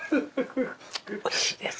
おいしいです。